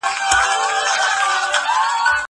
زه بايد اوبه پاک کړم!!